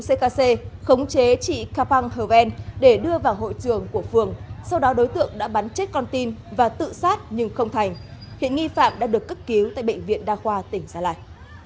bùi trí hiếu đã sử dụng súng ckc khống chế trị kapang hervén để đưa vào hội trường của phường sau đó đối tượng đã bắn chết con tim và tự sát nhưng không thành hiện nghi phạm đã được cất cứu tại bệnh viện đa khoa tỉnh gia lai